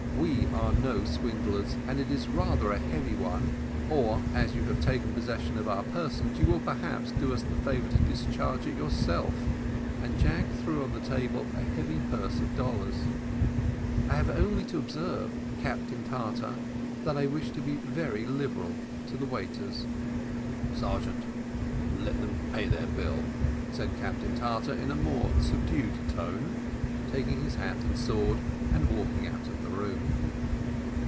We are no swindlers, and it is rather a heavy one or, as you have taken possession of our persons, you will, perhaps, do us the favour to discharge it yourself;" and Jack threw on the table a heavy purse of dollars. "I have only to observe, Captain Tartar, that I wish to be very liberal to the waiters." "Sergeant, let them pay their bill," said Captain Tartar, in a more subdued tone taking his hat and sword, and walking out of the room.